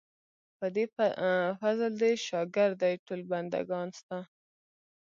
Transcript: په دې فضل دې شاګر دي ټول بندګان ستا.